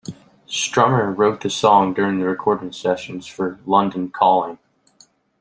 Strummer wrote the song during the recording sessions for "London Calling".